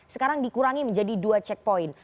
sekarang dikurangi menjadi dua checkpoint